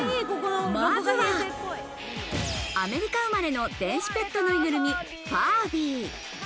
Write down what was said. まずは、アメリカ生まれの電子ペットぬいぐるみ、ファービー。